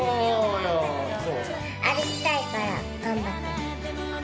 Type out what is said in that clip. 歩きたいから頑張ってる。